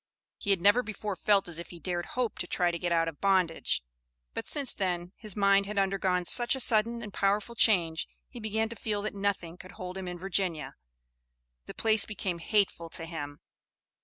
He had never before felt as if he dared hope to try to get out of bondage, but since then his mind had undergone such a sudden and powerful change, he began to feel that nothing could hold him in Virginia; the place became hateful to him.